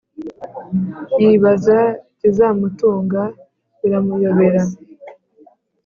yibaza ikizamutunga biramuyobera